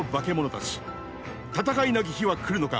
戦いなき日は来るのか。